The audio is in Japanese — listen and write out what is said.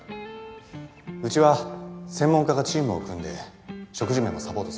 うちは専門家がチームを組んで食事面もサポートする方針だ。